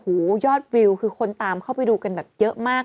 โอ้โหยอดวิวคือคนตามเข้าไปดูกันแบบเยอะมาก